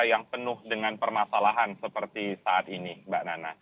yang penuh dengan permasalahan seperti saat ini mbak nana